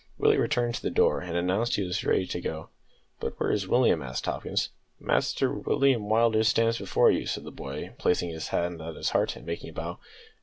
Willie returned to the door and announced that he was ready to go. "But where is William?" asked Hopkins. "Mister William Willders stands before you," said the boy, placing his hand on his heart and making a bow.